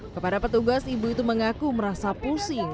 kepada petugas ibu itu mengaku merasa pusing